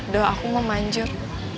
doa aku mau manjur